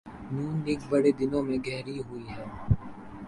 نون لیگ برے دنوں میں گھری ہوئی ہے۔